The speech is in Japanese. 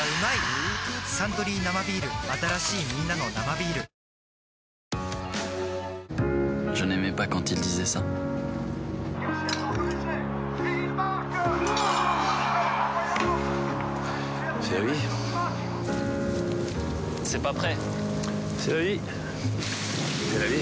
はぁ「サントリー生ビール」新しいみんなの「生ビール」パパ。